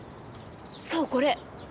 そうこれ。